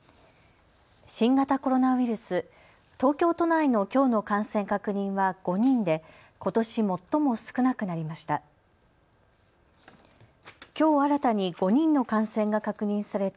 新型コロナウイルス、東京都内のきょうの感染確認は５人でことし最も少なくなりました。